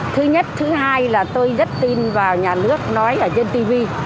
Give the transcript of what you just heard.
thứ nhất thứ hai là tôi rất tin vào nhà nước nói ở trên tv